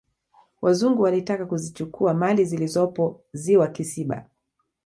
wazungu walitaka kuzichukua mali zilizopo ziwa kisiba